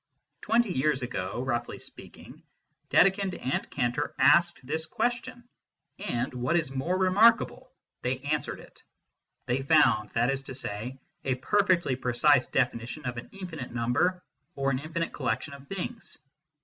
Twenty years ago, roughly speaking, Dedekind and Cantor asked this question, and, what is more remarkable, they answered it. They found, that is to say, a perfectly precise definition of an infinite number or an infinite collection of things.